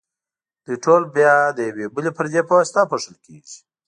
دوی ټول بیا د یوې بلې پردې په واسطه پوښل کیږي.